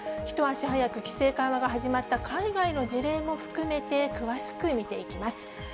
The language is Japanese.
一足早く規制緩和が始まった海外の事例も含めて、詳しく見ていきます。